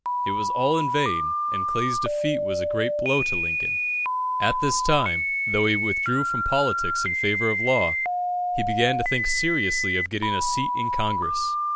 It was all in vain, and Clay's defeat was a great blow to Lincoln. At this time, though he withdrew from politics in favour of law, he began to think seriously of getting a seat in Congress.